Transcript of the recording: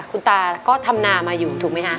คุณตาก็ทำนามาอยู่ถูกไหมคะ